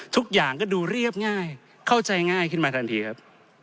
ทุกอย่างก็ดูเรียบง่ายเข้าใจง่ายขึ้นมาทันทีครับ